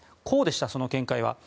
こうでした、その見解は。